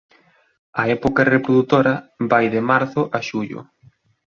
A época reprodutora va ide marzo a xullo.